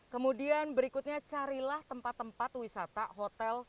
kemudian berikutnya carilah tempat tempat wisata hotel